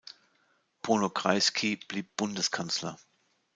Bruno Kreisky blieb Bundeskanzler.